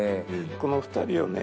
この２人をね